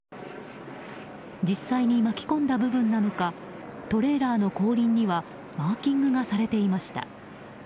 実際に巻き込んだ部分なのかトレーラーの後輪にはマーキングがされていました。